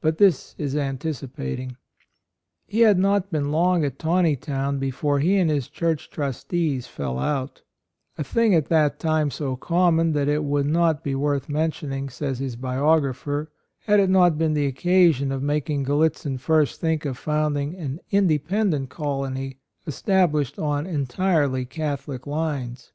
But this is anticipating. He had not been long at Taneytown before he and his church trustees fell out, — a thing at that time so common that it would not be worth mentioning, says his biographer, had it not been the occasion of making Gallitzin first think of founding an independent colony established on entirely Catholic lines.